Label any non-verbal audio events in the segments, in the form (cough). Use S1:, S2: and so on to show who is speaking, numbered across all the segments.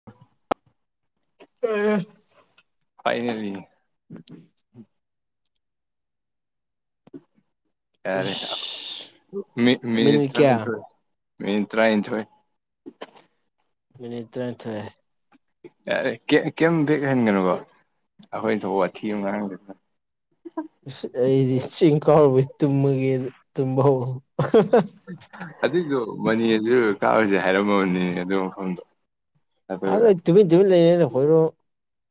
S1: (unintelligible)
S2: ꯑ (inaudible)
S1: ꯐꯥꯏꯅꯦꯂꯤ (inaudible)
S2: ꯎꯝꯝ (inaudible)
S1: ꯌꯥꯔꯦ ꯃꯤ ꯃꯤꯅꯤꯠ ꯇꯔꯥꯅꯤꯊꯣꯏ ꯃꯤꯅꯤꯠ ꯇꯔꯥꯅꯤꯟꯊꯣꯏ
S2: ꯃꯤꯅꯤꯠ ꯇꯔꯥꯅꯤꯊꯣꯏ
S1: ꯀꯔꯤꯝ ꯕꯦꯛ ꯍꯟꯒꯅꯨꯕꯣ ꯑꯩꯈꯣꯏ ꯊꯣꯛ ꯋꯥꯊꯤ ꯑꯗꯨꯝ ꯉꯥꯡꯅ
S2: ꯑꯁ ꯑꯩꯗꯤ ꯆꯤꯡ ꯀꯥꯔꯨꯕꯩ ꯇꯨꯝꯃꯒꯦ ꯇꯨꯝꯕ ꯍꯧꯔ
S1: ꯑꯗꯨꯏꯗꯨ ꯃꯅꯤꯅꯖꯨ ꯀꯥꯔꯨꯖꯦ ꯍꯥꯏꯔꯝꯃꯕꯅꯤ ꯑꯗꯨ ꯃꯐꯝꯗꯣ ꯑꯗꯨ
S2: ꯑꯗꯨꯗ ꯇꯨꯃꯤꯟ ꯇꯨꯃꯤꯟ ꯂꯩꯔꯦꯍꯣꯏꯔꯣꯡ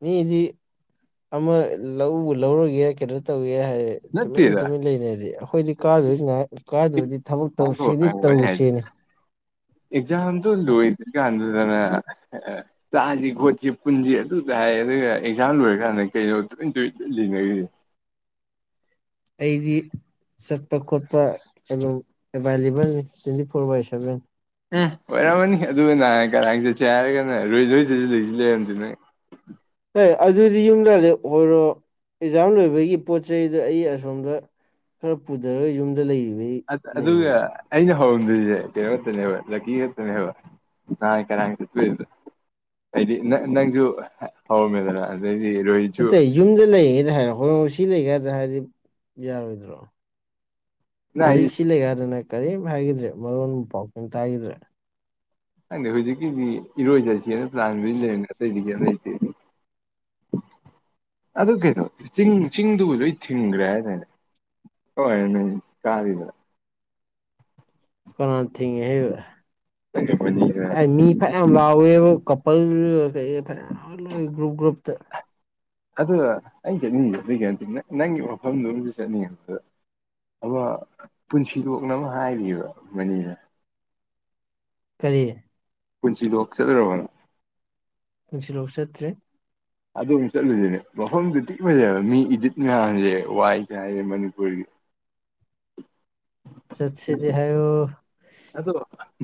S2: ꯃꯤꯗꯤ ꯑꯃ ꯂꯧ ꯂꯧꯔꯨꯒꯦ ꯀꯩꯅꯣ ꯇꯧꯒꯦ ꯍꯥꯏ ꯇꯨꯃꯤꯟꯅ
S1: ꯅꯠꯇꯦꯗ
S2: ꯇꯨꯃꯤꯟ ꯂꯩꯅꯤꯗꯤ ꯑꯩꯈꯣꯏꯗꯤ ꯀꯥꯗꯁꯨ ꯉꯥꯏ ꯀꯥꯗꯔꯗꯤ ꯊꯕꯛ ꯇꯧꯁꯤꯗꯤ ꯇꯧꯁꯤꯅꯦ
S1: ꯑꯦꯛꯖꯝꯗꯨ ꯂꯣꯏꯗꯔꯤ ꯀꯥꯟꯗꯨꯗꯅ ꯆꯥꯁꯤ ꯈꯣꯠꯁꯤ ꯄꯨꯟꯁꯤ ꯑꯗꯨ ꯇ ꯍꯥꯏ ꯑꯗꯨꯒ ꯑꯦꯛꯖꯥꯝ ꯂꯣꯏꯔꯀꯥꯟꯗ ꯀꯩꯅꯣ ꯇꯨꯃꯤ ꯇꯨꯃꯤꯟ ꯂꯣꯏ ꯂꯩꯅꯔꯤꯁꯦ
S2: ꯑꯩꯗꯤ ꯆꯠꯄ ꯈꯣꯠꯄ ꯀꯩꯅꯣ ꯑꯦꯕꯥꯏꯂꯦꯕꯜꯅꯤ ꯇ꯭ꯋꯦꯟꯇꯤ ꯐꯣꯔ ꯕꯥꯏ ꯁꯚꯦꯟ
S1: ꯎꯝ ꯑꯣꯏꯔꯝꯃꯅꯤ ꯑꯗꯨ ꯅꯍꯟ ꯀꯔꯥꯡ ꯆꯠꯁꯦ ꯍꯥꯏꯔꯒꯅ ꯔꯣꯏꯗꯣꯏ ꯂꯩꯁꯨ ꯂꯩꯔꯝꯗꯦ ꯅ
S2: ꯍꯣꯏ ꯑꯗꯨꯗꯤ ꯌꯨꯝꯗ ꯑꯣꯏꯔꯣ ꯑꯦꯛꯖꯥꯝ ꯂꯣꯏꯕꯒꯤ ꯄꯣꯠ ꯆꯩꯗꯣ ꯑꯩ ꯑꯁꯣꯝꯗ ꯈꯔ ꯄꯨꯊꯔꯒ ꯌꯨꯝꯗ ꯂꯩꯌꯨ
S1: ꯑ ꯑꯗꯨꯒ ꯑꯩꯅ ꯍꯧꯔꯝꯗꯣꯏꯁꯦ ꯀꯩꯅꯣ ꯉꯛꯇꯅꯦꯕ ꯂꯛꯀꯤ ꯈꯛꯇꯅꯦꯕ ꯅꯍꯥꯟ ꯀꯔꯥꯡ ꯆꯠꯄꯩꯗꯨꯗ ꯑꯩꯗꯤ ꯅꯪꯁꯨ ꯍꯧꯔꯝꯃꯦꯗꯅ ꯑꯗꯩꯗꯤ ꯔꯣꯍꯤꯠꯁꯨ
S2: ꯅꯇꯦ ꯌꯨꯝꯗ ꯂꯩꯔꯤꯉꯩꯗ ꯍꯥꯏꯔꯛꯄ ꯁꯤ ꯂꯩ ꯀꯥꯗ ꯍꯥꯏꯗꯤ ꯌꯥꯔꯣꯏꯗ꯭ꯔꯣ
S1: ꯅ ꯑꯩꯗꯤ
S2: ꯍꯧꯖꯤꯛꯁꯤ ꯂꯩꯀꯥꯗꯅ ꯀꯔꯤꯝ ꯍꯥꯏꯈꯤꯗ꯭ꯔꯦ ꯃꯔꯣꯟ ꯄꯥꯎ ꯀꯔꯤꯝ ꯇꯥꯈꯤꯗ꯭ꯔꯦ
S1: ꯈꯪꯗ ꯍꯧꯖꯤꯛꯀꯤꯗꯤ ꯏꯔꯣꯏꯆꯠꯁꯦꯅ ꯄ꯭ꯂꯥꯟ ꯂꯣꯏ ꯂꯩꯅ ꯑꯇꯩꯗꯤ ꯀꯦꯝ ꯂꯩꯇꯦ ꯑꯗꯨ ꯀꯩꯅꯣ ꯆꯤꯡ ꯆꯤꯡꯗꯨꯕꯨ ꯂꯣꯏ ꯊꯤꯡꯈ꯭ꯔꯦ ꯍꯥꯏꯗꯥꯏꯅꯦ ꯍꯣꯏ (unintelligible)
S2: ꯀꯅꯥ ꯊꯤꯡꯉꯦ ꯍꯥꯏꯕ ꯃꯤ ꯐ ꯌꯥꯝ ꯂꯥꯎꯋꯦꯕ ꯄꯩ ꯐꯅꯥꯝ ꯒ꯭ꯔꯨꯨꯞ ꯒ꯭ꯔꯨꯞ ꯇ
S1: ꯑꯗꯨꯅ ꯑꯩ ꯆꯠꯅꯤꯡꯉꯦ ꯑꯗꯨꯏ ꯅꯇꯦ ꯅꯪꯒꯤ ꯃꯐꯝꯗꯨꯁꯨ ꯆꯠꯅꯤꯡꯉꯦꯗꯨꯗ ꯑꯃ ꯄꯨꯟꯁꯤꯂꯣꯛꯅ ꯑꯃ ꯍꯥꯏꯔꯤꯕ ꯃꯅꯤꯅ
S2: ꯀꯔꯤ
S1: ꯄꯨꯟꯁꯤꯂꯣꯛ ꯆꯠꯂꯨꯔꯕ ꯅꯪ
S2: ꯄꯨꯟꯁꯤꯂꯣꯛ ꯆꯠꯇ꯭ꯔꯤ
S1: ꯑꯗꯨꯝ ꯆꯠꯂꯨꯁꯤꯅꯦ ꯃꯐꯝꯗꯨ ꯊꯤꯟ ꯐꯖꯩꯕ ꯃꯤ ꯏꯗꯤꯠ ꯃꯌꯥꯝꯁꯦ ꯋꯥꯏ ꯆꯥꯏꯔꯦ ꯃꯅꯤꯄꯨꯔꯒꯤ (inaudible)
S2: ꯆꯠꯁꯦꯗꯤ ꯍꯥꯏꯌꯣ
S1: ꯑꯗꯣ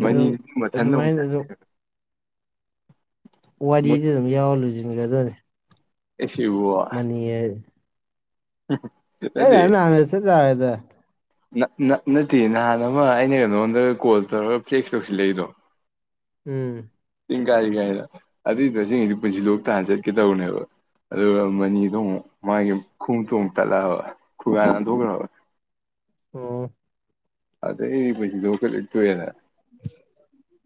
S2: ꯑꯗꯨ
S1: ꯃꯅꯤꯗꯨꯗꯤ ꯃꯊꯟꯗ ꯑꯃꯨꯛ
S2: ꯑꯗꯨꯃꯥꯏꯅ
S1: ꯆꯠ
S2: ꯑꯗꯨꯝ
S1: ꯃꯣꯏ
S2: ꯋꯥꯔꯤꯗꯤ ꯑꯗꯨꯝ ꯌꯥꯎꯔ ꯂꯨꯁꯤꯟꯒ꯭ꯔꯗꯣꯏꯅꯤ
S1: (unintelligible)
S2: ꯌꯦꯁ
S1: (inaudible)
S2: ꯆꯠ ꯌꯥꯔ ꯅꯍꯥꯟꯅ ꯆꯠ ꯌꯥꯔꯦꯗ
S1: ꯅ ꯅ ꯅꯠꯇꯤꯌꯦ ꯅꯍꯥꯟ ꯑꯃ ꯑꯩꯅ ꯀꯩꯅꯉꯣꯟꯗ ꯀꯣꯜ ꯇꯧꯔꯒ ꯐ꯭ꯂꯦꯛꯁ ꯇꯧꯁꯤꯜꯂꯛꯏꯗꯣ
S2: ꯎꯝ
S1: ꯆꯤꯡ ꯀꯥꯏ ꯀꯥꯏꯗ ꯑꯗꯨꯏ ꯇꯁꯤꯡꯁꯤꯗꯤ ꯄꯨꯟꯁꯤ ꯂꯣꯛꯇ ꯆꯠꯀꯦ ꯇꯧꯅꯦꯕ ꯑꯗꯨꯒ ꯃꯅꯤꯗꯣ ꯃꯨꯛ ꯃꯥꯒꯤ ꯈꯨꯃꯨꯛꯇꯣ ꯑꯃꯨꯛ ꯇꯠꯂꯛꯑꯕ ꯈꯨꯒꯥ ꯍꯟꯊꯣꯛꯈ꯭ꯔꯕ
S2: ꯑꯣ
S1: ꯑꯗꯩ ꯄꯨꯟꯁꯤꯂꯣꯛ ꯀꯖꯦ ꯇꯣꯛꯑꯦꯗꯅ
S2: ꯎ (inaudible)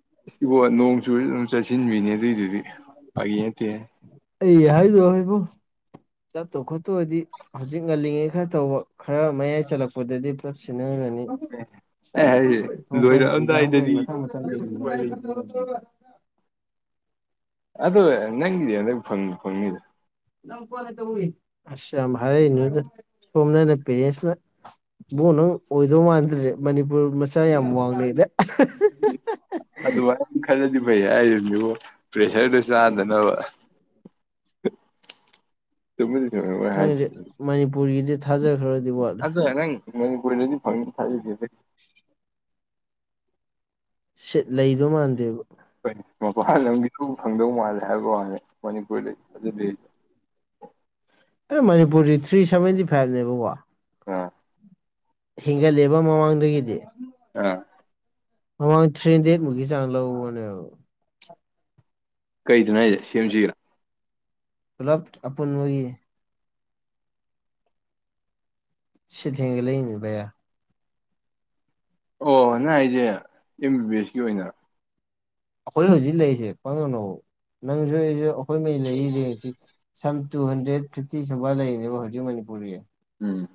S1: ꯏꯕꯣ ꯅꯣꯡ ꯆꯨꯔ ꯑꯗꯨꯝ ꯆꯠꯁꯤꯟꯕꯤꯅꯦ ꯑꯗꯨꯏꯗꯨꯗꯤ ꯐꯒꯤ ꯅꯠꯇꯦ
S2: ꯑꯩ ꯍꯥꯏꯗꯣ ꯍꯥꯏꯕꯣ ꯆꯠꯇꯧ ꯈꯣꯠꯇꯧ ꯑꯣꯏꯗꯤ ꯍꯧꯖꯤꯛ ꯉꯜꯂꯤꯉꯩ ꯈꯔ ꯇꯧꯕ ꯈꯔ ꯃꯌꯥꯏ ꯆꯜꯂꯛꯄꯗꯗꯤ ꯄꯨꯂꯞ ꯁꯤꯟꯅꯔꯅꯤ
S1: ꯑꯩ ꯍꯥꯏꯁꯦ
S2: ꯊꯣꯛꯄ ꯍꯥꯏꯁꯦ ꯑꯦꯛꯖꯥꯝ ꯀꯩ
S1: ꯂꯣꯏꯔꯛꯑꯝꯗꯥꯏꯗꯗꯤ
S2: ꯃꯊꯪ ꯃꯊꯪ
S1: ꯀꯔꯤꯝ ꯎꯄꯥꯏ ꯂꯩꯇꯦ ꯑꯗꯨ ꯅꯪꯒꯤꯗꯤ ꯍꯟꯗꯛ ꯐꯪ ꯐꯪꯅꯤꯗ
S2: ꯑꯁ ꯌꯥꯝ ꯍꯥꯏꯔꯛꯏꯅ ꯁꯣꯝꯗꯅ ꯄꯦꯔꯦꯟꯁꯅ ꯏꯕꯨꯡꯉꯣ ꯅꯪ ꯑꯣꯏꯗꯧ ꯃꯥꯟꯗ꯭ꯔꯦ ꯃꯅꯤꯄꯨꯔ ꯃꯆꯥ ꯌꯥꯝ ꯋꯥꯡꯂꯦꯗ
S1: ꯑꯗꯨꯃꯥꯏꯅ ꯈꯔꯂꯗꯤ ꯐꯩ ꯍꯥꯏꯔꯤꯕꯅꯦꯕꯣ ꯄ꯭ꯔꯦꯁꯔꯗꯨ ꯆꯥꯗꯅꯕ ꯊ ꯍꯥꯏ
S2: ꯈꯪꯗꯦ ꯃꯅꯤꯄꯨꯔꯒꯤꯗꯤ ꯊꯥꯖꯈ꯭ꯔꯗꯤ ꯋꯥꯠꯂꯦ
S1: ꯑꯗ ꯅ ꯅ ꯀꯣꯏꯂꯦꯗꯤ ꯐꯪ ꯊꯥꯏ
S2: (unintelligible) ꯁꯤ ꯂꯩꯗꯧ ꯃꯥꯟꯗꯦꯕ
S1: ꯑꯩꯣꯏ ꯃꯄꯥꯟ ꯂꯝꯒꯤ ꯁ ꯐꯪꯗꯧ ꯃꯥꯜꯂꯦ ꯍꯥꯏꯕ ꯋꯥꯂꯦ ꯃꯅꯤꯄꯨꯔꯗ ꯐꯖ ꯂꯩ
S2: ꯑꯦ ꯃꯅꯤꯄꯨꯔꯗꯤ ꯊ꯭ꯔꯤ ꯁꯕꯦꯟꯇꯤ ꯐꯥꯏꯚꯅꯦꯕꯀꯣ
S1: ꯑꯥ
S2: ꯍꯦꯟꯒꯠꯂꯦꯕ ꯃꯃꯥꯡꯗꯒꯤꯗꯤ
S1: ꯑ
S2: ꯃꯃꯥꯡ ꯊ꯭ꯔꯤ ꯍꯟꯗ꯭ꯔꯦꯠ ꯃꯨꯛꯀꯤ ꯆꯥꯡ ꯂꯧꯅꯦꯕ
S1: ꯀꯩꯗꯨꯅꯣ ꯍꯥꯏꯁꯦ ꯁꯦꯝꯁꯤꯔꯥ
S2: ꯄꯨꯂꯞ ꯑꯄꯨꯟ ꯑꯣꯏꯌꯦ ꯁꯤ ꯊꯦꯡꯒ ꯂꯩꯅꯦꯕꯌꯥ
S1: ꯑꯣ ꯅꯪ ꯑꯩꯁꯦ ꯑꯦꯝ ꯕꯤ ꯕꯤ ꯑꯦꯁꯀꯤ ꯑꯣꯏꯅ
S2: ꯑꯩꯈꯣꯏ ꯍꯧꯖꯤꯛ ꯂꯩꯔꯤꯁꯦ ꯀꯗꯅꯣ ꯅꯪꯁꯨ ꯑꯩꯈꯣꯏꯉꯩ ꯂꯩꯔꯤꯁꯤ ꯁꯝ ꯇꯨ ꯍꯟꯗ꯭ꯔꯦꯠ ꯐꯤꯐꯇꯤ ꯁꯨꯕ ꯂꯩꯔꯤꯅꯦꯕ ꯍꯧꯖꯤꯛ ꯃꯅꯤꯄꯨꯔꯒꯤ
S1: ꯎꯝ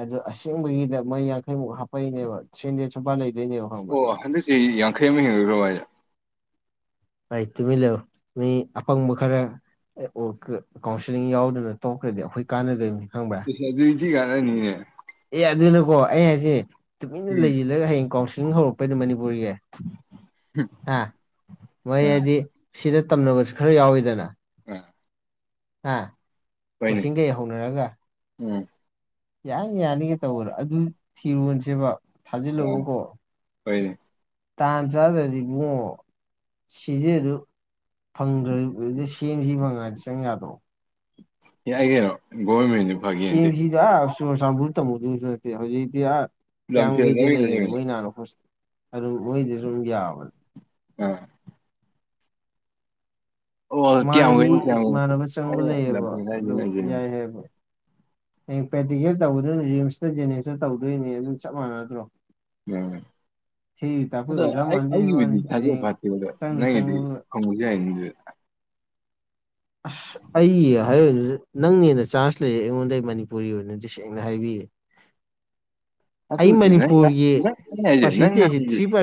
S2: ꯑꯗꯣ ꯑꯁꯦꯡꯕꯒꯤꯗ ꯃꯩ ꯌꯥꯡꯈꯩꯃꯨꯛ ꯍꯥꯞꯄꯛꯩꯅꯦꯕ ꯊ꯭ꯔꯤ ꯍꯟꯗ꯭ꯔꯦꯠ ꯁꯨꯄꯥꯥꯟ ꯂꯩꯗꯣꯏꯅꯦꯕ ꯈꯪꯕ꯭ꯔꯥ
S1: ꯑꯣ ꯍꯟꯗꯛꯁꯤꯤ ꯌꯥꯡꯈꯩ ꯑꯃ ꯍꯦꯟꯂꯣꯏꯗ꯭ꯔꯣꯕꯥ ꯍꯥꯏꯁꯦ
S2: ꯍꯥꯏ ꯇꯨꯃꯤ ꯂ ꯃꯤ ꯑꯄꯥꯪꯕ ꯈꯔ ꯑꯣ ꯀꯥꯎꯟꯁꯤꯂꯤꯡ ꯌꯥꯎꯗꯅ ꯇꯧꯈ꯭ꯔꯗꯤ ꯑꯩꯈꯣꯏ ꯀꯥꯟꯅꯗꯣꯏꯕꯅꯤ ꯈꯪꯕ
S1: ꯑꯗꯨꯗꯤꯤ ꯀꯥꯟꯅꯅꯤꯅꯦ
S2: ꯑꯦ ꯑꯗꯨꯅꯀꯣ ꯑꯩ ꯍꯥꯏꯁꯦ ꯇꯨꯃꯤꯟꯅ
S1: ꯎꯝ
S2: ꯂꯩꯁꯤꯜꯂꯒ ꯍꯌꯦꯡ ꯀꯥꯎꯟꯁꯤꯂꯤꯡ ꯍꯧꯔꯛꯄꯩꯗ ꯃꯅꯤꯄꯨꯔꯒꯤ ꯑ ꯃꯣꯏ
S1: ꯑꯥ
S2: ꯍꯥꯏꯗꯤ ꯁꯤꯗ ꯇꯝꯅꯕꯁꯨ ꯈꯔ ꯌꯥꯎꯋꯤꯗꯅ
S1: ꯑ
S2: ꯑ ꯀꯣꯆꯤꯡꯒꯩ ꯍꯧꯅꯔꯒ
S1: ꯎꯝ
S2: ꯌꯥꯅꯤ ꯌꯥꯅꯤꯒꯦ ꯇꯧꯕꯗ ꯑꯗꯨ ꯊꯤꯔꯣꯟꯁꯦꯕ ꯊꯥꯖꯤꯜꯂꯑꯣꯀꯣ
S1: ꯍꯣꯏ
S2: ꯇꯥꯟ ꯆ ꯑꯗꯨꯗꯤꯕꯨ ꯁꯤꯁꯦ ꯑꯗꯨ ꯐꯪꯗ꯭ꯔ ꯁꯦꯝꯁꯤ ꯃꯉꯥꯏꯗ ꯆꯪ ꯌꯥꯗ꯭ꯔꯣ
S1: ꯌꯥꯒꯦꯩꯅꯣ ꯒꯣꯏꯃꯤ
S2: ꯁꯤꯁꯤꯗ ꯍꯧꯖꯤꯗꯤ ꯀꯌꯥꯝ
S1: ꯂꯝꯐꯦꯜꯗ
S2: ꯀꯩꯗꯤ
S1: ꯑꯣꯏꯅ
S2: ꯂꯩꯔꯅꯣ
S1: ꯂꯩꯕꯅꯦ
S2: ꯃꯣꯏ ꯍꯥꯟꯅꯣꯣ ꯑꯗꯨꯝ ꯃꯣꯏꯗꯁꯨ ꯑꯗꯨꯝ ꯌꯥꯕꯅꯦ
S1: ꯑ ꯑꯣ ꯀꯌꯥꯝ
S2: ꯏꯃꯥꯟꯅꯕꯤ
S1: ꯀꯨꯏꯅ ꯀꯌꯥꯝ
S2: ꯏꯃꯥꯟꯅꯕ ꯆꯪꯕ
S1: ꯑꯩꯅ
S2: ꯂꯩꯌꯦꯕ
S1: ꯂꯝꯐꯦꯜ
S2: ꯑꯗꯨꯝ
S1: ꯍꯥꯏꯁꯤꯅ ꯑꯩꯁꯦ
S2: ꯌꯥꯏ ꯍꯥꯏꯕ ꯑꯩ ꯄ꯭ꯔꯦꯛꯇꯤꯀꯦꯜ ꯇꯧꯕꯗꯣꯏꯅꯤ ꯔꯤꯝꯁꯇ ꯖꯦꯅꯤꯝꯁꯇ ꯇꯧꯗꯣꯏꯅꯦ ꯑꯗꯨꯝ ꯆꯞ ꯃꯥꯟꯅꯗ꯭ꯔꯣ ꯊꯤꯔꯤ
S1: ꯎ
S2: ꯇꯥꯛꯄꯩ ꯑꯣꯖꯥ ꯃꯥꯟꯗꯦ ꯍꯥꯏ
S1: ꯑꯗꯒꯤꯕꯗꯤ
S2: ꯋꯥꯅꯤ
S1: ꯊꯖ
S2: ꯍꯌꯦꯡ
S1: ꯐꯇꯒ
S2: ꯆꯪꯗ
S1: ꯅꯗꯤ
S2: ꯆꯪꯉꯒ
S1: ꯃ
S2: ꯑꯁ ꯑꯩ ꯍꯥꯏꯔꯏꯅ ꯅꯪꯅ ꯍꯦꯟꯅ ꯆꯥꯟꯖ ꯂꯩꯌꯦ ꯑꯩꯉꯣꯟꯗ ꯃꯅꯤꯄꯨꯔꯤ ꯑꯣꯏꯅꯗꯤ ꯁꯦꯡꯅ ꯍꯥꯏꯕꯤ
S1: ꯆ ꯅ
S2: ꯃꯅꯤꯄꯨꯔꯒꯤ
S1: ꯅ ꯍꯥꯏꯦ ꯅꯪ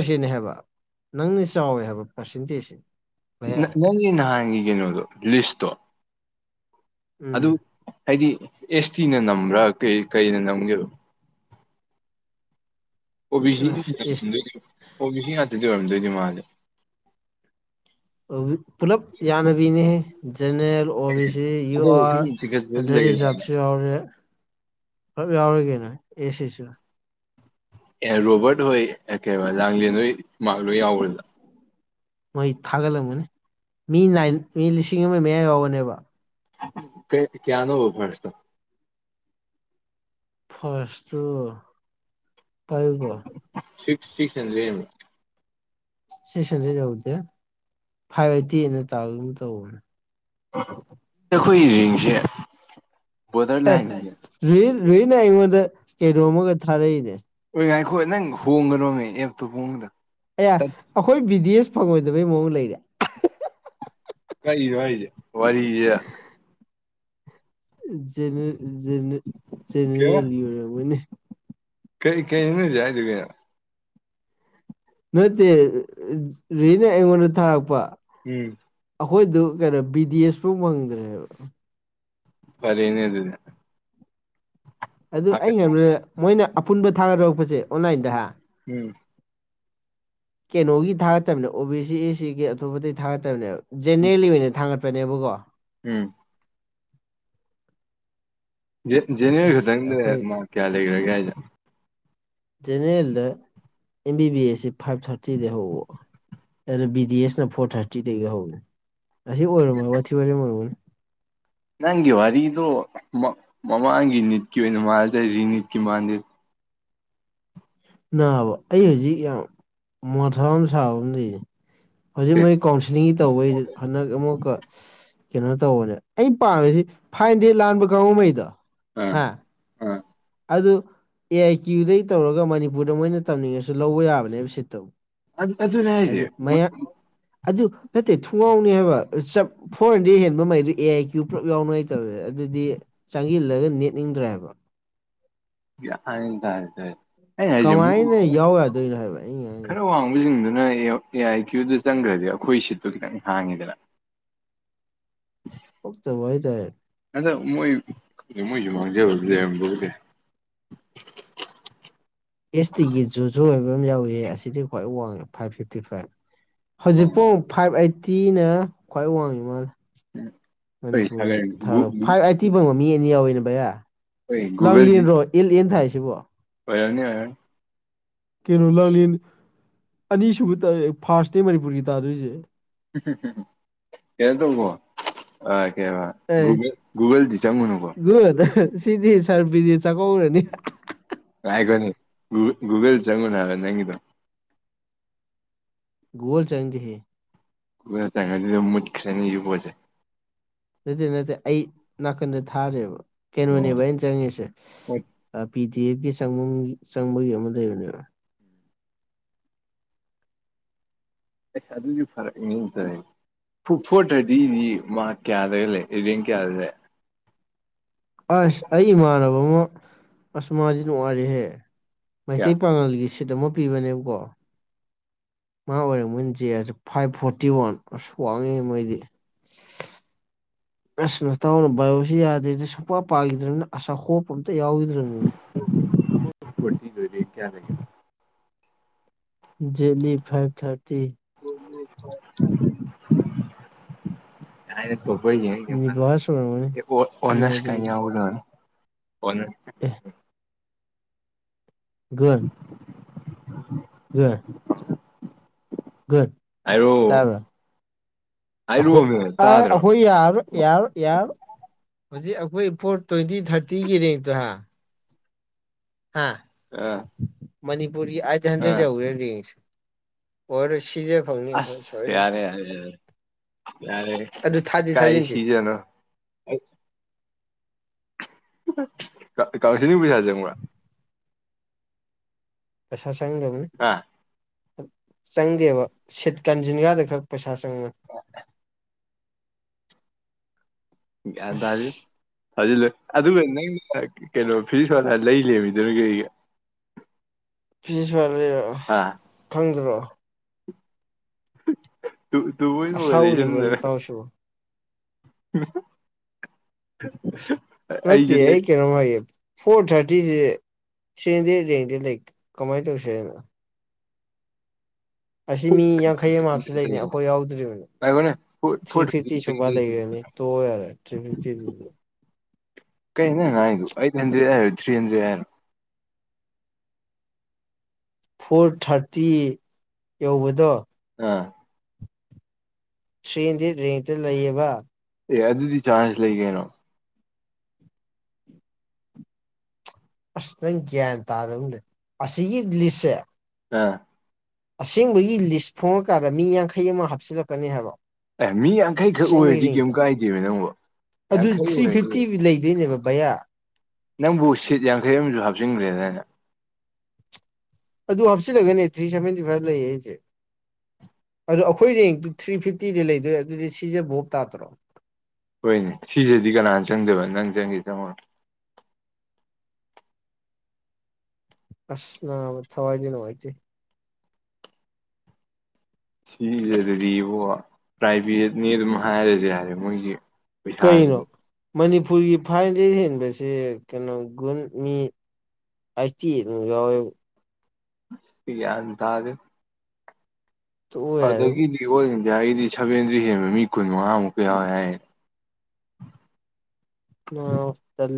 S2: ꯁꯤꯅꯦ ꯍꯥꯏꯕ ꯅꯪꯅ ꯆꯥꯎꯋꯦ ꯍꯥꯏꯕ ꯄꯥꯔꯁꯦꯟꯇꯦꯖꯁꯤ ꯚꯩꯌꯥ
S1: ꯅꯪꯒꯤ ꯅꯍꯥꯟꯒꯤ ꯀꯩꯅꯣꯗꯣ ꯂꯤꯁꯇꯣ
S2: ꯎꯝ
S1: ꯑꯗꯨ ꯍꯥꯏꯗꯤ ꯑꯦꯁ ꯇꯤꯅ ꯅꯝꯕ꯭ꯔꯥ ꯀꯩ ꯀꯩꯅ ꯅꯝꯒꯦꯕ ꯑꯣꯕꯤ ꯁꯤꯝ
S2: ꯑꯁ ꯏꯁ
S1: ꯑꯣꯕꯤ ꯁꯤ ꯉꯇꯗꯤ ꯑꯣꯏꯔꯝꯗꯣꯏꯁꯦ ꯃꯥꯁꯦ
S2: ꯄꯨꯂꯞ ꯌꯥꯅꯕꯤꯅꯤ ꯖꯦꯅꯦꯔꯦꯜ ꯑꯣ ꯕꯤ ꯁꯤ ꯌꯨ
S1: ꯑꯗꯣ
S2: ꯑꯥꯔ
S1: ꯁꯨꯝ ꯆꯤꯡꯈꯠꯄꯗ
S2: ꯑꯟꯗꯔ
S1: ꯂꯩꯗꯅ
S2: ꯔꯤꯖꯥꯕꯁꯨ ꯌꯥꯎꯔꯦ ꯄꯨꯂꯞ ꯌꯥꯎꯔꯤꯒꯦꯅ ꯑꯦꯁꯤꯁꯨ
S1: ꯑꯦ ꯔꯣꯕꯔꯠ ꯍꯣꯏ ꯀꯩꯅ ꯂꯥꯡꯂꯦꯟ ꯍꯣꯏ ꯃꯥꯔ ꯂꯣꯏ ꯌꯥꯎꯕ꯭ꯔꯗ
S2: ꯃꯣꯏ ꯊꯥꯒꯠꯂꯝꯒꯅꯤ ꯃꯤ ꯅꯥꯏꯟ ꯃꯤ ꯂꯤꯁꯤꯡ ꯑꯃ ꯃꯌꯥ ꯌꯥꯎꯕꯅꯦꯕ
S1: ꯀꯩ ꯀꯌꯥ ꯅꯣ ꯎꯕꯕꯔꯇ
S2: ꯐꯁꯇ ꯄꯥꯏꯕ
S1: ꯁꯤꯛꯁ ꯁꯤꯛꯁ ꯑꯟ꯭ꯔꯦ
S2: ꯁꯇꯦꯁꯟꯗꯩ ꯌꯧꯗꯦ ꯐꯥꯏꯚ ꯑꯥꯏꯠꯇꯤꯅ ꯇꯥꯒ ꯑꯃꯨꯛ ꯇꯧꯕꯅꯦ
S1: ꯑꯩꯈꯣꯏꯒꯤꯔꯤꯡꯁꯦ ꯕꯣꯔꯗꯔ
S2: ꯑꯦ
S1: ꯂꯥꯏꯟ ꯍꯥꯏꯅ
S2: ꯔꯨꯍꯤꯠ ꯔꯨꯍꯤꯠꯅ ꯑꯩꯉꯣꯟꯗ ꯀꯩꯅꯣꯝ ꯑꯃꯒ ꯊꯥꯔꯛꯏꯅꯦ
S1: ꯍꯣꯏ ꯉꯥꯏꯈꯣ ꯅꯪ ꯍꯣꯡꯒꯗꯣꯅꯦ ꯑꯦꯞꯇꯨ ꯍꯣꯡꯕꯗ
S2: ꯑꯦꯌꯥ ꯑꯩꯈꯣꯏ ꯕꯤꯗꯤꯁ ꯐꯪꯉꯣꯏꯗꯕꯩ ꯃꯑꯣꯡ ꯂꯩꯔꯦ
S1: ꯀꯩ ꯋꯥꯏꯦ ꯋꯥꯔꯤꯔꯤꯁꯦ ꯀꯩꯕ
S2: ꯖꯅꯔꯦꯜ ꯌ ꯑꯣꯏꯔꯃꯅꯦ
S1: ꯀꯩ ꯀꯩ ꯏꯅꯖ ꯍꯥꯏꯗꯨ ꯀ
S2: ꯅꯠꯇꯦ ꯔꯦꯅ ꯑꯩꯉꯣꯟꯗ ꯊꯥꯔꯛꯄ
S1: ꯎꯝ
S2: ꯑꯩꯈꯣꯏꯗꯨ ꯀꯩꯅꯣ ꯕꯤ ꯗꯤ ꯑꯦꯁ ꯐꯥꯎ ꯐꯪꯗ꯭ꯔꯦꯕ
S1: ꯐꯔꯅꯦ ꯑꯗꯨꯗꯤ
S2: ꯑꯗꯨ
S1: ꯍꯥꯏꯒꯠ
S2: ꯑꯩ (unintelligible) ꯃꯣꯏꯅ ꯑꯄꯨꯟꯕ ꯊꯥꯒꯠꯗꯔꯛꯄꯁꯦ ꯑꯣꯟꯂꯥꯏꯟꯗ
S1: ꯎꯝ
S2: ꯀꯩꯅꯣꯒꯤ ꯊꯥꯒꯠꯇꯕꯅꯦ ꯑꯣ ꯕꯤ ꯁꯤ ꯑꯦ ꯁꯤꯒꯤ ꯑꯇꯣꯞꯄꯇꯩ ꯊꯥꯒꯠꯇꯕꯅꯦꯕ
S1: ꯎꯝ
S2: ꯖꯦꯅꯦꯔꯦꯂꯤ ꯑꯣꯏꯅ ꯊꯥꯡꯒꯠꯄꯅꯦꯕꯀꯣ
S1: ꯎꯝ ꯖꯪꯅꯔꯦꯜ
S2: ꯑꯁ
S1: ꯈꯇꯪꯗ
S2: ꯑꯩꯈꯣꯏ
S1: ꯃꯥꯛ ꯀꯌꯥ ꯂꯩꯒ꯭ꯔꯒꯦ ꯍꯥꯏꯖꯦ
S2: ꯖꯦꯅꯦꯔꯦꯜꯗ ꯑꯦꯝ ꯕꯤ ꯕꯤ ꯑꯦꯁ ꯁꯤ ꯐꯥꯏꯚ ꯊꯥꯔꯇꯤꯗꯒꯤ ꯍꯧꯑꯣ ꯑꯗꯨꯗ ꯕꯤ ꯗꯤ ꯑꯦꯁꯅ ꯐꯣꯔ ꯊꯥꯔꯇꯤꯩꯒ ꯍꯧꯦ ꯑꯁꯤ ꯑꯣꯏꯔꯝꯃꯣꯏ ꯋꯥꯊꯤ ꯋꯥꯔ ꯃꯔꯣꯅꯤ
S1: ꯅꯪꯒꯤ ꯋꯥꯔꯤꯗꯣ ꯃꯃꯥꯡꯒꯤ ꯅꯤꯠꯀꯤ ꯑꯣꯏꯅ ꯃꯥꯜꯗ ꯔꯤꯅꯤꯠꯀꯤ ꯃꯥꯟꯗꯦ
S2: ꯅꯥꯕ ꯑꯩ ꯍꯧꯖꯤꯛ ꯌꯥꯝ ꯃꯣꯊꯥ ꯑꯃ ꯁꯥꯕ ꯑꯃ ꯂꯩꯔꯤꯁꯦ ꯍꯧꯖꯤꯛ
S1: ꯑꯦ
S2: ꯃꯣꯏ ꯀꯥꯎꯟꯁꯤꯂꯤꯡꯒꯤ ꯇꯧꯕꯩꯁꯤ ꯍꯟꯗꯛ ꯑꯃꯨꯛꯀ ꯀꯩꯅꯣ ꯇꯧꯕꯅꯦ ꯑ ꯄꯥꯝꯃꯤꯁꯤ ꯐꯥꯏ ꯍꯟꯗꯦ ꯂꯥꯟꯕ ꯀꯥꯡꯉꯉꯩꯗꯣ
S1: ꯑꯥ
S2: ꯍꯥ
S1: ꯑꯥ
S2: ꯑꯗꯨ ꯑꯦ ꯑꯥꯏ ꯀ꯭ꯌꯨꯗꯩ ꯇꯧꯔꯒ ꯃꯅꯤꯄꯨꯔꯗ ꯃꯣꯏꯅ ꯇꯝꯅꯤꯡꯉꯁꯨ ꯂꯧꯕ ꯌꯥꯕꯅꯦꯕ ꯁꯤꯠꯇꯕꯨ
S1: ꯑꯗꯨꯅꯦ ꯍꯥꯏꯁꯦ
S2: ꯍꯥꯏꯗꯤ ꯃꯌꯥ ꯑꯗꯨ ꯅꯠꯇꯦ ꯊꯨꯡꯒꯥꯎꯅꯤ ꯍꯥꯏꯕ ꯆꯞ ꯐꯣꯔ ꯍꯟꯗ꯭ꯔꯦꯗ ꯍꯦꯟꯕ ꯃꯩꯗꯨ ꯑꯦ ꯑꯥꯏ ꯀ꯭ꯌꯨ ꯄꯨꯂꯞ ꯌꯥꯎꯅ ꯍꯥꯏ ꯇꯧꯦ ꯑꯗꯨꯗꯤ ꯆꯪꯁꯤꯜꯂꯒ ꯅꯦꯠꯅꯤꯡꯗ꯭ꯔꯦꯕ
S1: (unintelligible) ꯑꯩꯅ ꯍꯥꯏꯁꯦ
S2: ꯀꯃꯥꯏꯅ ꯌꯥꯎ ꯌꯥꯗꯣꯏꯅꯣ ꯍꯥꯏꯕ ꯑꯩ
S1: ꯈꯔ
S2: ꯉꯥꯡꯉꯤꯁꯦ
S1: ꯋꯥꯡ ꯀꯥꯡꯕꯤꯁꯤꯡꯗꯨꯅ ꯑꯦ ꯑꯥꯏ ꯀ꯭ꯌꯨꯗꯨ ꯆꯪꯈ꯭ꯔꯗꯤ ꯑꯩꯈꯣꯏ ꯁꯤꯠꯇꯨ ꯈꯤꯇꯪ ꯍꯥꯡꯉꯤꯗꯅ
S2: ꯑꯣꯛꯇ ꯋꯥꯍꯤ ꯇꯥꯏ
S1: ꯑꯗ ꯃꯣꯏ ꯃꯣꯏꯁꯨ ꯃꯥꯡꯖꯕꯗꯤ ꯂꯩꯔꯝꯕꯧꯗꯤ
S2: ꯑꯦꯁ ꯇꯤꯒꯤ ꯖꯨ ꯖꯨ ꯍꯥꯏꯕ ꯑꯃ ꯌꯥꯎꯏ ꯑꯁꯤꯗꯤ ꯈ꯭ꯋꯥꯏ ꯋꯥꯡꯉꯦ ꯐꯥꯏꯚ ꯐꯤꯐꯇꯤ ꯐꯥꯏꯚ
S1: ꯑꯣ
S2: ꯍꯧꯖꯤꯛꯐꯥꯎ ꯐꯥꯏꯚ ꯑꯩꯠꯇꯤꯅ ꯈ꯭ꯋꯥꯏ ꯋꯥꯡꯉꯤ ꯃꯥꯜꯂꯦ
S1: ꯑꯩꯈꯣꯏ
S2: ꯃꯅꯤꯄꯨꯔꯤ
S1: ꯁꯥꯒꯩ
S2: ꯊꯥ ꯐꯥꯏꯚ
S1: ꯑꯩꯈꯣꯏ
S2: ꯑꯩꯠ ꯇꯤ ꯐꯪꯕ ꯃꯤ ꯑꯅꯤ ꯌꯥꯎꯋꯦꯅꯦ ꯕꯌꯥ ꯂꯥꯡ
S1: ꯒꯨꯒꯜꯗꯤ
S2: ꯂꯦꯟꯔꯣ ꯑꯦꯜ ꯑꯦꯟ ꯊꯥꯏꯁꯤꯕꯣ
S1: ꯑꯣꯏꯔꯝꯅꯤ ꯑꯣꯏꯅꯤ
S2: ꯀꯩꯅꯣ ꯂꯥꯡꯂꯦꯟ ꯑꯅꯤꯁꯨꯕ ꯐꯥꯔꯥꯁꯅꯦ ꯃꯅꯤꯄꯨꯔꯒꯤ ꯇꯥꯗꯣꯏꯁꯦ
S1: ꯀꯩꯅꯣ ꯇꯧꯕꯣ ꯑ ꯀꯦꯕ
S2: ꯑꯦ
S1: ꯒꯜꯗꯤ ꯆꯪꯉꯨꯅꯀꯣ
S2: (unintelligible) ꯁꯤꯗꯤ ꯁꯔꯕꯤꯗꯤ ꯆꯀꯧꯔꯦꯅꯤ
S1: (unintelligible) ꯒꯨꯨꯒꯜ ꯆꯪꯉꯨꯅꯣ ꯍꯥꯏꯕ ꯅꯪꯒꯤꯗꯣ
S2: ꯒꯨꯒꯜ ꯆꯪꯗꯦꯍꯦ
S1: ꯆꯪꯉ ꯑꯗꯨꯝ ꯃꯨꯠꯈ꯭ꯔꯦꯅꯤ (unintelligible)
S2: ꯅꯠꯇꯦ ꯅꯠꯇꯦ ꯑꯩ ꯅꯥꯀꯟꯗ ꯊꯥꯔꯦꯕ
S1: ꯑꯣ
S2: ꯀꯩꯅꯣꯅꯦꯕ ꯑꯩꯅ ꯆꯪꯉꯤꯁꯦ ꯄꯤ ꯗꯤ ꯑꯦꯐꯀꯤ ꯆꯪꯐꯝ ꯆꯪꯕꯒꯤ ꯑꯃ ꯂꯩꯕꯅꯦꯕ
S1: ꯑ ꯑꯗꯨꯗꯤ ꯐꯔ ꯌꯦꯡ ꯇꯔ ꯐꯨꯠ ꯐꯣꯔ ꯊꯥꯔꯇꯤꯗꯤ ꯃꯥ ꯀꯌꯥꯗꯒ ꯂꯩ ꯑꯦꯔꯦꯟ ꯀꯌꯥꯗ ꯂꯩ
S2: ꯑꯁ ꯑꯩ ꯏꯃꯥꯟꯅꯕ ꯑꯃ ꯑꯁꯃꯥꯖꯤ ꯅꯨꯡꯉꯥꯏꯔꯤꯍꯦ
S1: ꯀꯌꯥ
S2: ꯃꯩꯇꯩ ꯄꯥꯉꯜꯒꯤ ꯁꯤꯠ ꯑꯃ ꯄꯤꯕꯅꯦꯕꯀꯣ ꯃꯥ ꯑꯣꯏꯔꯝꯕꯅꯤ ꯆꯦ ꯐꯥꯏꯚ ꯐꯣꯔꯇꯤ ꯋꯥꯟ ꯑꯁ ꯋꯥꯡꯉꯤ ꯃꯣꯏꯗꯤ ꯑꯁ ꯅ ꯇꯥꯎꯅ ꯌꯁꯤ ꯌꯥꯗꯗꯤ ꯁꯨꯄꯥ ꯄꯒꯗ꯭ꯔꯦꯅꯦ ꯑꯁ ꯍꯣꯄꯇ ꯌꯥꯎꯒꯗ꯭ꯔꯣꯅꯤꯅꯦ
S1: ꯐꯇꯤ ꯀꯌꯥ ꯂꯩꯒꯦ
S2: ꯖꯦꯂꯤ ꯐꯥꯏꯚ ꯊꯥꯔꯇꯤ
S1: (unintelligible)
S2: ꯅꯤꯚꯥꯁ ꯑꯣꯏꯔꯝꯒꯅꯤ
S1: (unintelligible) ꯑꯣꯅꯔꯁ ꯀꯥꯏ
S2: ꯌꯣꯔꯤꯡ
S1: ꯌꯥꯎꯏ
S2: ꯑꯦ ꯒꯟ
S1: (unintelligible)
S2: (unintelligible)
S1: (unintelligible)
S2: ꯒꯗ
S1: ꯍꯥꯏꯔꯣ
S2: ꯇꯥꯕꯔꯥ ꯑꯩꯈꯣꯏ
S1: ꯍꯥꯏꯔꯣꯃꯦ ꯇꯥꯗ꯭ꯔꯣ
S2: ꯑꯩꯈꯣꯏ ꯌꯥꯔꯔꯣꯏ ꯌꯥꯔꯔꯣꯏ ꯌꯥꯔꯔꯣꯏ ꯍꯧꯖꯤꯛ ꯑꯩꯈꯣꯏ ꯐꯣꯔ ꯇ꯭ꯋꯦꯟꯇꯤ ꯊꯥꯔꯇꯤꯒꯤ ꯔꯦꯡꯇꯣ ꯍꯥ ꯍꯥꯥ
S1: ꯑꯥ
S2: ꯃꯅꯤꯄꯨꯔꯒꯤ ꯑꯥꯏꯠ ꯍꯟꯗ꯭ꯔꯦꯠ
S1: ꯑꯥ
S2: ꯌꯧꯒ꯭ꯔꯦ ꯔꯦꯡꯖꯦ ꯑꯣꯏꯔꯔꯣꯏ ꯁꯤꯖꯥ
S1: ꯑꯁ ꯌꯥꯔꯦ ꯌꯥꯔꯦ ꯌꯥꯔꯦ ꯌꯥꯔꯦ
S2: ꯑꯗꯨ ꯊꯥꯖꯤ
S1: ꯏꯀꯥꯏ
S2: ꯊꯥꯖꯤꯟꯁꯤ
S1: ꯁꯤꯖꯒꯔꯣ ꯀꯥꯎꯟꯁꯤꯂꯤꯡ ꯄꯩꯁꯥ ꯆꯪꯕ꯭ꯔꯥ
S2: ꯄꯩꯁꯥ ꯆꯪꯗꯕꯅꯤ
S1: ꯑꯥ
S2: ꯆꯪꯗꯦꯕ ꯁꯤꯠ ꯀꯥꯟꯖꯤꯟꯒꯔꯥꯗꯥ ꯈꯔ ꯄꯩꯁꯥ ꯆꯪꯕꯅꯤ
S1: ꯒ꯭ꯌꯥꯟ ꯇꯥꯗꯦꯗꯥ
S2: ꯑꯁ
S1: ꯐꯥꯖꯤꯜꯂꯨ ꯑꯗꯨꯒꯥ ꯅꯪꯅ ꯀꯩꯅꯣ ꯐꯤꯖꯤꯁ ꯍꯥꯟꯅ ꯂꯩ ꯂꯩꯔꯝꯃꯤꯗꯨꯅ ꯀꯩꯒꯤ
S2: ꯐꯤꯖꯤꯁ ꯍꯥꯟꯅ ꯂꯩꯔꯕ
S1: ꯑꯥ
S2: ꯈꯪꯗꯔꯣ
S1: ꯇꯨꯕꯨꯣꯏ
S2: ꯑꯁꯥ
S1: ꯑꯣꯏꯅ
S2: ꯎꯔꯤꯕ
S1: ꯂꯩꯁꯟꯗꯥꯅ
S2: ꯅꯇꯥꯎꯁꯤꯕꯨ
S1: (unintelligible)
S2: ꯅꯠꯇꯦ
S1: ꯂꯩ
S2: ꯑꯩ ꯀꯩꯅꯣꯃꯥ ꯐꯣꯔ ꯊꯥꯔꯇꯤꯁꯦ ꯊ꯭ꯔꯤ ꯍꯟꯗ꯭ꯔꯦꯠ ꯔꯦꯡꯗꯥ ꯂꯩ ꯀꯃꯥꯏꯅ ꯇꯧꯁꯤ ꯍꯥꯏꯅꯣ ꯑꯁꯤ ꯃꯤ ꯌꯥꯡꯈꯩ ꯑꯃ ꯍꯥꯞꯁꯤꯂꯩꯅꯤ ꯑꯩꯈꯣꯏ ꯌꯥꯎꯗ꯭ꯔꯤꯕꯅꯦ
S1: ꯉꯥꯏꯈꯣꯅꯦ
S2: three
S1: four
S2: fifty
S1: thousand three
S2: ꯁꯨꯕꯥ
S1: ꯍꯟꯗ꯭ꯔꯦꯗ
S2: ꯂꯩꯒꯔꯥꯅꯤ ꯇꯣꯛꯑꯣ ꯌꯥꯔꯦ ꯊ꯭ꯔꯤ ꯐꯤꯐꯇꯤꯗꯨꯗꯤ
S1: ꯀꯩꯅꯣ ꯅꯪ ꯉꯥꯡꯉꯤꯗꯣ ꯑꯩꯠ ꯍꯟꯗ꯭ꯔꯦꯠ ꯍꯥꯏꯔꯣ ꯊ꯭ꯔꯤ ꯍꯟꯗ꯭ꯔꯦꯠ ꯍꯥꯏꯔꯣ
S2: ꯐꯣꯔ ꯊꯥꯔꯇꯤ ꯌꯧꯕꯗꯣ
S1: ꯑꯥ
S2: ꯊ꯭ꯔꯤ ꯍꯟꯗ꯭ꯔꯦꯠ ꯔꯦꯡꯇꯥ ꯂꯩꯌꯦꯕ
S1: ꯑꯦ ꯑꯗꯨꯗꯤ ꯆꯥꯟꯁ ꯂꯩ ꯀꯩꯅꯣ
S2: ꯑꯁ ꯅꯪ ꯒ꯭ꯌꯥꯟ ꯇꯥꯗꯕꯃꯥ ꯂꯩꯔꯦ ꯑꯁꯤꯒꯤ ꯂꯤꯁꯁꯦ
S1: ꯑꯥ
S2: ꯑꯁꯦꯡꯕꯒꯤ ꯂꯤꯁ ꯐꯣꯡꯉꯀꯥꯟꯗꯥ ꯃꯤ ꯌꯥꯡꯈꯩ ꯑꯃ ꯍꯥꯞꯆꯤꯜꯂꯛꯀꯥꯅꯤ ꯍꯥꯏꯕ
S1: ꯑꯦ ꯃꯤ ꯌꯥꯡꯈꯩ ꯈꯛ
S2: ꯑꯁꯦꯡꯕꯒꯤ
S1: ꯑꯣꯏꯔꯗꯤ ꯀꯩꯝ
S2: ꯔꯤꯡꯇꯣ
S1: ꯀꯥꯏꯗꯦꯕ ꯅꯪꯕꯨ
S2: ꯑꯗꯨ
S1: ꯌꯥꯡꯈꯩ
S2: ꯊ꯭ꯔꯤ ꯐꯤꯐꯇꯤ
S1: ꯑꯣꯏꯔꯗꯤ
S2: ꯂꯩꯗꯣꯏꯅꯦꯕ ꯚꯩꯌꯥ
S1: ꯅꯪꯕꯨ ꯁꯤꯠ ꯌꯥꯡꯈꯩ ꯑꯃꯁꯨ ꯍꯥꯞꯆꯤꯟꯈ꯭ꯔꯦꯗꯥꯏꯅꯦ
S2: ꯑꯗꯨ ꯍꯥꯞꯆꯜꯂꯒꯅꯦ ꯊ꯭ꯔꯤ ꯁꯥꯚꯦꯟꯇꯤ ꯐꯥꯏꯚ ꯂꯩꯌꯦ ꯍꯥꯏꯁꯦ ꯑꯗꯣ ꯑꯩꯈꯣꯏ ꯔꯦꯡꯇꯨ ꯊ꯭ꯔꯤ ꯐꯤꯐꯇꯤꯗꯤ ꯂꯩꯗꯣꯏꯔꯦ ꯑꯗꯨꯗꯤ ꯁꯤꯁꯦ ꯚꯣꯞ ꯇꯥꯇ꯭ꯔꯣ
S1: ꯍꯣꯏꯅꯦ ꯁꯤꯁꯤꯗꯤ ꯀꯅꯥꯅ ꯆꯪꯗꯣꯏꯕ ꯅꯪ ꯆꯪꯒꯦ ꯆꯪꯉꯨꯔꯣ
S2: ꯑꯁ ꯅꯥꯕ ꯊꯋꯥꯏꯗꯤ ꯅꯨꯡꯉꯥꯏꯇꯦ
S1: ꯁꯤꯖꯥꯗꯥꯗꯤꯕꯣ ꯄ꯭ꯔꯥꯏꯚꯦꯠꯅꯤ ꯑꯗꯨꯝ ꯍꯥꯏꯔꯁꯨ ꯌꯥꯔꯦ ꯃꯣꯏꯒꯤ
S2: ꯀꯩꯅꯣ
S1: ꯄꯩꯁꯥꯗꯨꯗꯤ
S2: ꯃꯅꯤꯄꯨꯔꯒꯤ ꯐꯥꯏꯗꯥꯒꯤ ꯍꯦꯟꯕꯁꯤ ꯀꯩꯅꯣ ꯒꯨꯟ ꯃꯤ ꯑꯥꯏꯇꯤ ꯑꯥꯏꯠꯃꯨꯛ ꯌꯥꯎꯏ
S1: ꯌꯥꯟ ꯇꯥꯗꯦꯗꯥ
S2: ꯇꯣꯛꯑꯣ ꯌꯥꯔꯦꯕꯣ
S1: ꯑꯗꯨꯗꯥꯒꯤꯗꯤ ꯑꯣꯜ ꯏꯟꯗꯤꯌꯥꯒꯤꯗꯤ ꯁꯚꯦꯟꯗ꯭ꯔꯤ ꯍꯦꯟꯕ ꯃꯤ ꯀꯨꯟ ꯃꯉꯥꯃꯨꯛꯀꯥ ꯌꯥꯎꯋꯦ ꯍꯥꯏ
S2: ꯑꯣ